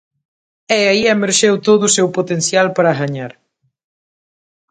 E aí emerxeu todo o seu potencial para gañar.